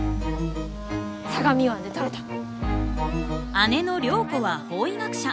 姉の涼子は法医学者。